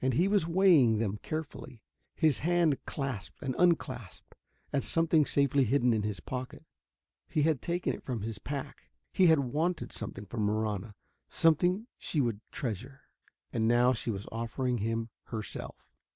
And he was weighing them carefully. His hand clasped and unclasped at something safely hidden in his pocket. He had taken it from his pack; he had wanted something for Marahna, something she would treasure. And now she was offering him herself.